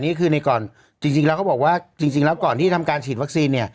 แต่จริงแล้วก็บอกว่าก่อนที่ทำการฉีดวัคซีน